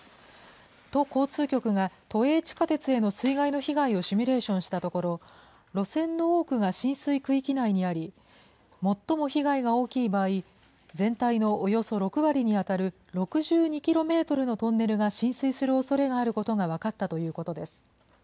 都交通局が都営地下鉄への水害の被害をシミュレーションしたところ、路線の多くが浸水区域内にあり、最も被害が大きい場合、全体のおよそ６割に当たる６２キロメートルのトンネルが浸水するおそれがあることが分かったということです。